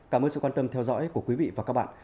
cảm ơn sự quan tâm theo dõi của quý vị và các bạn